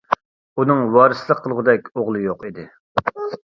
ئۇنىڭ ۋارىسلىق قىلغۇدەك ئوغلى يوق ئىدى.